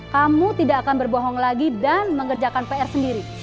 kamu tidak akan berbohong lagi dan mengerjakan pr sendiri